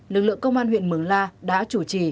lực lượng công an huyện mường la đã chủ trì